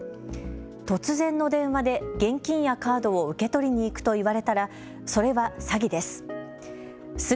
突然の電話で現金やカードを受け取りに行くと言われたら、それは詐欺です。